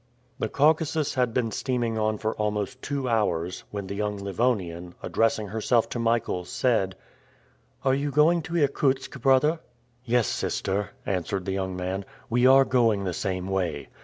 The Caucasus had been steaming on for almost two hours, when the young Livonian, addressing herself to Michael, said, "Are you going to Irkutsk, brother?" "Yes, sister," answered the young man. "We are going the same way.